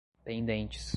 pendentes